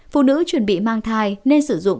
phụ nữ chuẩn bị mang thai nên sử dụng